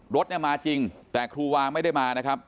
รถเนี่ยมาจริงแต่ครูวางไม่ได้มานะครับ